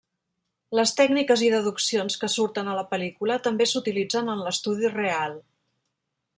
Les tècniques i deduccions que surten a la pel·lícula també s'utilitzen en l'estudi real.